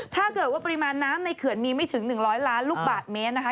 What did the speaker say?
ปริมาณน้ำในเขื่อนมีไม่ถึง๑๐๐ล้านลูกบาทเมตรนะคะ